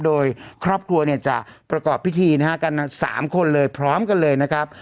โดยครอบครัวเนี่ยจะประกอบพิธีนะฮะกัน๓คนเลยพร้อมกันเลยนะครับ